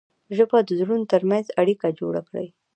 ژبه د زړونو ترمنځ اړیکه جوړه کړي